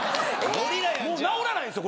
もう直らないんですよ